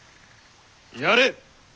やれ。